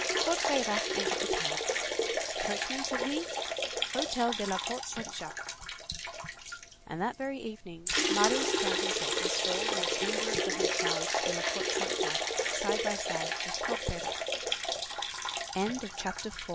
Courfeyrac entered the cab. "Coachman," said he, "hotel de la Porte Saint Jacques." And that very evening, Marius found himself installed in a chamber of the hotel de la Porte Saint Jacques side by side with